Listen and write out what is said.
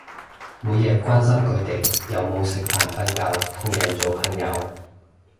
每日關心佢哋有冇食飯瞓覺同人做朋友